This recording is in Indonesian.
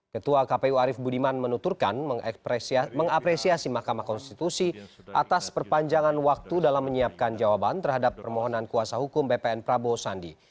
ketua kpu arief budiman menuturkan mengapresiasi mahkamah konstitusi atas perpanjangan waktu dalam menyiapkan jawaban terhadap permohonan kuasa hukum bpn prabowo sandi